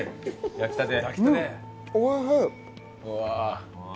焼きたて。